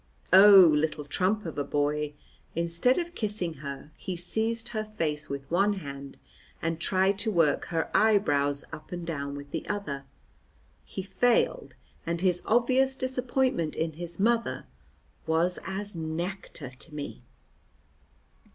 Oh, little trump of a boy! Instead of kissing her, he seized her face with one hand and tried to work her eyebrows up and down with the other. He failed, and his obvious disappointment in his mother was as nectar to me.